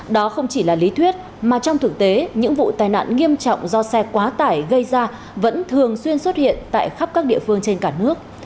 đó không chỉ là lý thuyết mà trong thực tế những vụ tai nạn nghiêm trọng do xe quá tải gây ra vẫn thường xuyên xuất hiện tại khắp các địa phương trên cả nước